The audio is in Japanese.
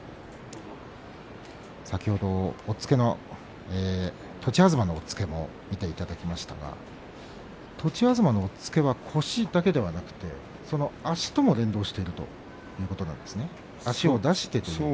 先ほど栃東の押っつけも見ていただきましたが栃東の押っつけは腰だけではなくて足とも連動してそうですね。